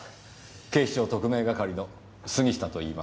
警視庁特命係の杉下といいます。